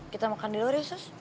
kita makan dulu ya sus